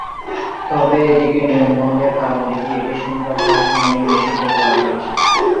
তবে এটিকে নিয়ম ভঙ্গের কারণ দেখিয়ে এটির সম্প্রচার সাময়িক নিষিদ্ধ করা হয়েছে।